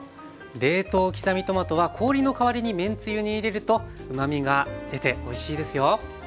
冷凍刻みトマトは氷の代わりにめんつゆに入れるとうまみが出ておいしいですよ。